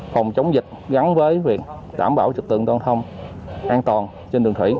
phòng chống dịch gắn với việc đảm bảo trực tự an toàn giao thông an toàn trên đường thủy